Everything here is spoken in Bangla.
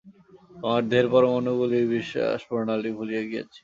আমরা দেহের পরমাণুগুলির বিন্যাসপ্রণালী ভুলিয়া গিয়াছি।